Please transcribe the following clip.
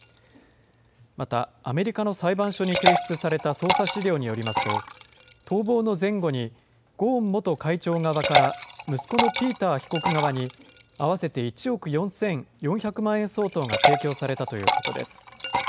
また、アメリカの裁判所に提出された捜査資料によりますと、逃亡の前後に、ゴーン元会長側から息子のピーター被告側に、合わせて１億４４００万円相当が提供されたということです。